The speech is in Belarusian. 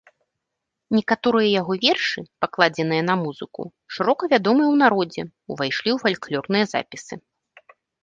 Некаторыя яго вершы, пакладзеныя на музыку, шырока вядомыя ў народзе, увайшлі ў фальклорныя запісы.